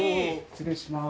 失礼します。